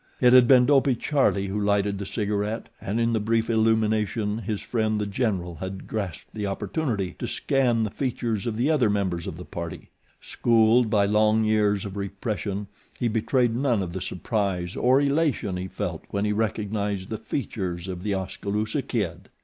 It had been Dopey Charlie who lighted the cigaret and in the brief illumination his friend The General had grasped the opportunity to scan the features of the other members of the party. Schooled by long years of repression he betrayed none of the surprise or elation he felt when he recognized the features of The Oskaloosa Kid.